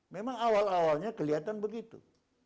memang awal awalnya kelihatan begitu